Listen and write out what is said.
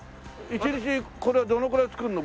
１日これどのぐらい作るの？